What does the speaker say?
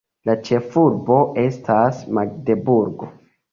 La ĉefurbo estas Magdeburgo.